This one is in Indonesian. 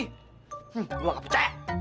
hmm gue nggak percaya